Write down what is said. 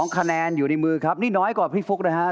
คะแนนอยู่ในมือครับนี่น้อยกว่าพี่ฟุ๊กนะฮะ